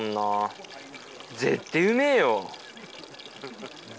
絶対うめぇよ。